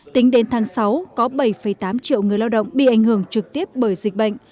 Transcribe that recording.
tính đến tháng sáu có bảy tám triệu người lao động bị ảnh hưởng trực tiếp bởi dịch bệnh